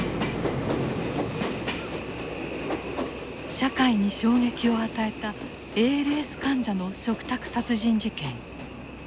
社会に衝撃を与えたＡＬＳ患者の嘱託殺人事件。